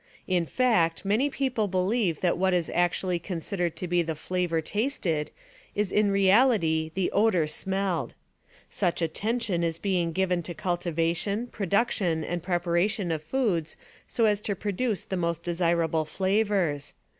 In fact, many people believe that what is usually considered to be the flavor tasted is in realty the odor smelled. Much attention is being given to cultivation, production, and preparation of foods so as to produce the most desirable flavors.